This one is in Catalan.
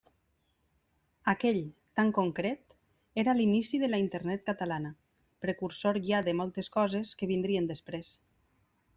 Aquell, tan concret, era l'inici de la Internet catalana, precursor ja de moltes coses que vindrien després.